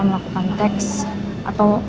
melakukan teks atau